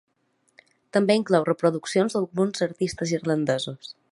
També inclou reproduccions d'alguns artistes irlandesos.